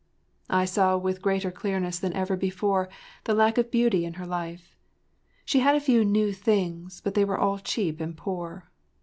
I SAW with greater clearness than ever before the lack of beauty in her life. She had a few new things, but they were all cheap and poor.